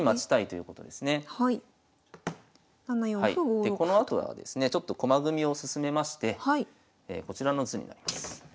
でこのあとはですねちょっと駒組みを進めましてこちらの図になります。